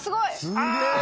すげえ！